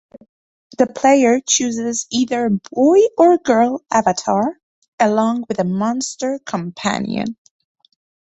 The player chooses either a boy or girl avatar, along with a monster companion.